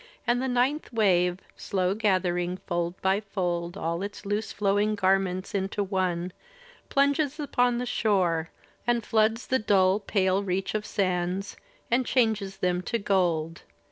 And the ninth wave, slow gathering fold by fold All its loose flowing garments into one. Plunges upon the shore, and floods the dun Pale reach of sands, and changes them to gold.